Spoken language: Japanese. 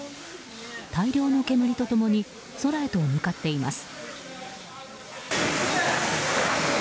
大量の煙と共に空へと向かっています。